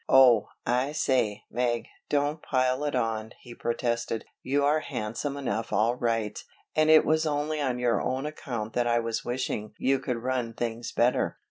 "Oh, I say, Meg, don't pile it on," he protested. "You are handsome enough all right, and it was only on your own account that I was wishing you could run things better."